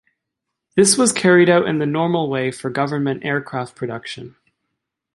This was carried out in the normal way for government aircraft production.